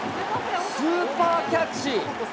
スーパーキャッチ。